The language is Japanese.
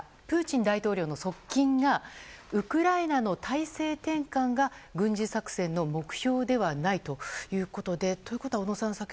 プーチン大統領の側近がウクライナの体制転換が軍事作戦の目標ではないということでということは小野さん